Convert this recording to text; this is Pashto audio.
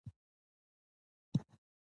زما خور د ګلانو باغ ته اوبه ورکوي.